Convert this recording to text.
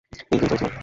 Engine চলছে না?